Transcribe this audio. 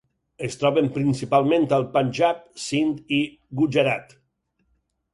Es troben principalment al Panjab, Sind i Gujarat.